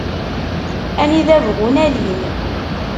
Anida bɣun alin.